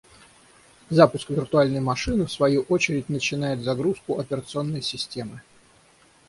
Запуск виртуальной машины в свою очередь начинает загрузку операционной системы